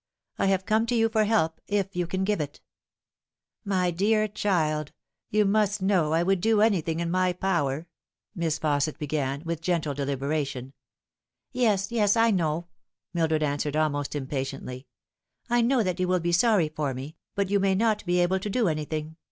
I have come to you for help, if you can give it." ' My dear child, you must know I would do anything in my por/er " Miss Fausset began, with gentle deliberation. " Yes, yes, I know," Mildred answered, almost impatiently. " I know that you will be sorry for me, but you may not be able to do anything.